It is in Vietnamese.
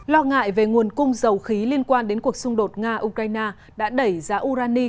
lo ngại về nguồn cung dầu khí liên quan đến cuộc xung đột nga ukraine đã đẩy giá urani